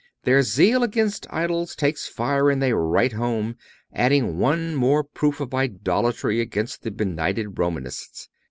Their zeal against idols takes fire and they write home, adding one more proof of idolatry against the benighted Romanists.